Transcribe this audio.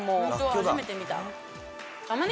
初めて見た。え！